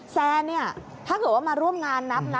แซนเนี่ยถ้าเกิดว่ามาร่วมงานนับนะ